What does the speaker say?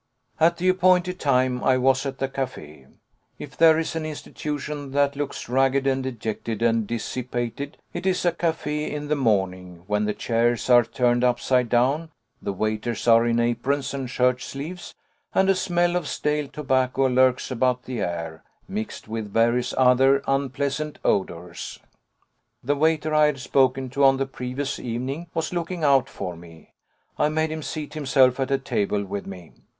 At the appointed time I was at the café. If there is an institution that looks ragged and dejected and dissipated, it is a café in the morning, when the chairs are turned upside down, the waiters are in aprons and shirt sleeves, and a smell of stale tobacco lurks about the air, mixed with various other unpleasant odours. The waiter I had spoken to on the previous evening was looking out for me. I made him seat himself at a table with me.